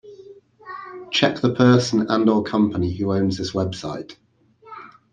Check the person and/or company who owns this website.